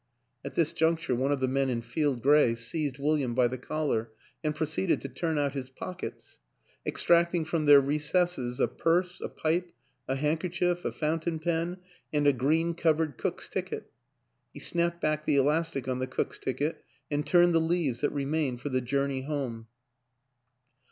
At this juncture one of the men in field gray seized William by the collar and proceeded to turn out his pockets extracting from their re cesses a purse, a pipe, a handkerchief, a fountain pen, and a green covered Cook's ticket. He snapped back the elastic on the Cook's ticket, and turned the leaves that remained for the journey home.